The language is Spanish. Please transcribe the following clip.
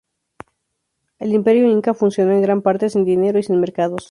El imperio Inca funcionó en gran parte sin dinero y sin mercados.